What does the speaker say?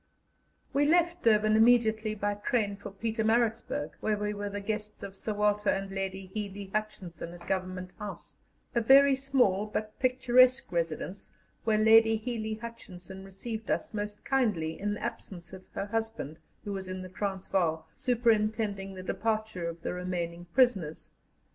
We left Durban immediately by train for Pietermaritzburg, where we were the guests of Sir Walter and Lady Hely Hutchinson, at Government House, a very small but picturesque residence where Lady Hely Hutchinson received us most kindly in the absence of her husband, who was in the Transvaal, superintending the departure of the remaining prisoners.